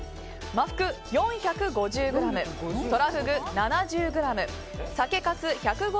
真フグ４５０ｇ、トラフグ７０ｇ酒かす１５０ｇ